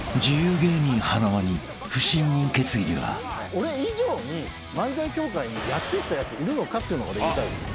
俺以上に漫才協会にやってきたやついるのかっていうの俺言いたいです。